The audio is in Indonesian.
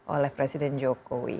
oleh presiden jokowi